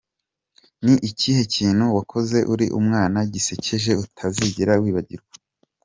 com: Ni ikihe kintu wakoze uri umwana gisekeje utazigera wibagirwa?.